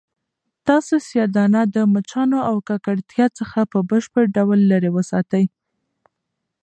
تاسو سیاه دانه د مچانو او ککړتیا څخه په بشپړ ډول لیرې وساتئ.